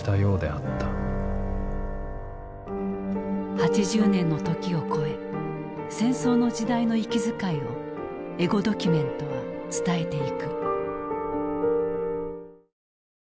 ８０年の時を超え戦争の時代の息遣いをエゴドキュメントは伝えていく。